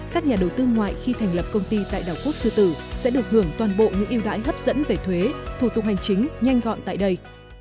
các nhà đầu tư ngoại khi thành lập công ty tại đảo quốc sư tử sẽ được hưởng toàn bộ những yêu đãi hấp dẫn về thuế thủ tục hành chính nhanh gọn tại đây